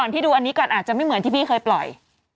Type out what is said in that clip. พี่ดูอันนี้ก่อนอาจจะไม่เหมือนที่พี่เคยปล่อย